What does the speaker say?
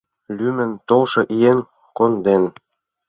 Лӱмын толшо еҥ конден.